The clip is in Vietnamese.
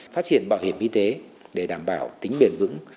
phát triển bảo hiểm y tế để đảm bảo tính bền vững